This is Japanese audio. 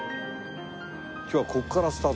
今日はここからスタート。